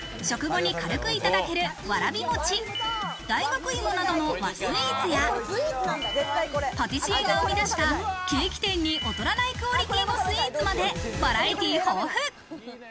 食後に軽くいただけるわらびもち、大学芋などの和スイーツやパティシエが生み出したケーキ店に劣らないクオリティーのスイーツまで、バラエティ豊富。